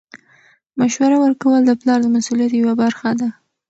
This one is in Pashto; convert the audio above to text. مشوره ورکول د پلار د مسؤلیت یوه برخه ده.